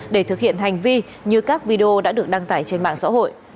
để thực hiện hành vi như các video đã được đăng tải trên mạng xã hội